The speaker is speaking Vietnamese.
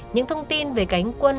những thông tin về cánh quân